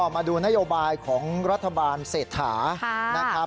มาดูนโยบายของรัฐบาลเศรษฐานะครับ